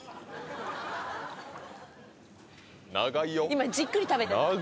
今じっくり食べてるから。